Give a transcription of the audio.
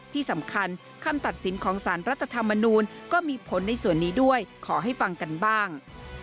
ที่สำคัญคำตัดสินของสารรัฐธรรมนูลก็มีผลในส่วนนี้ด้วยขอให้ฟังกันบ้าง